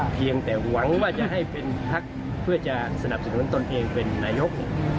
เพียงแต่หวังว่าจะให้เป็นพักเพื่อจะสนับสนุนตนเองเป็นนายก